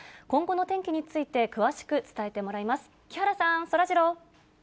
今後の天気について詳しく伝えてもらいます。